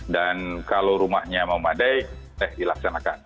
dan kalau rumahnya memadai eh dilaksanakan